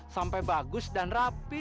sampai bagus dan rapi